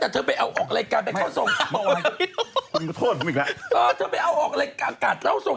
ตั้งแต่เรำจะออกรายการเข้าทรง